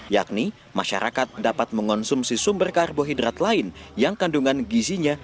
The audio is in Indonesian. yakni masyarakat dapat mengonsumsi sumber karbohidrat lain yang kandungan gizinya